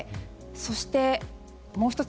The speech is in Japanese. そして、もう１つ。